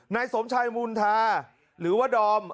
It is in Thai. นายสมชายมูลธาหรือว่าดอม